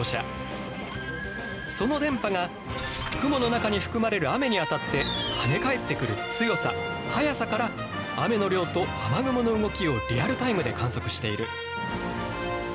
その電波が雲の中に含まれる雨に当たって跳ね返ってくる強さ速さから雨の量と雨雲の動きをリアルタイムで観測している。